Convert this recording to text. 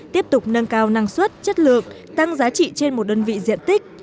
tiếp tục nâng cao năng suất chất lượng tăng giá trị trên một đơn vị diện tích